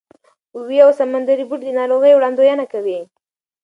اوې او سمندري بوټي د ناروغۍ وړاندوینه کوي.